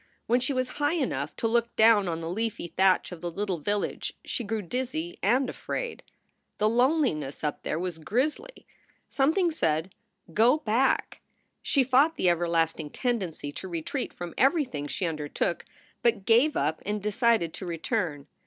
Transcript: When she was high enough to look down on the leafy thatch of the little village she grew dizzy and afraid. The loneliness up there was grisly. Something said, "Go back!" She fought the everlasting tendency to retreat from everything she undertook, but gave up and decided to return.